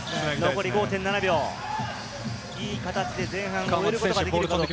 残り５．７秒、いい形で前半を終えることができるか？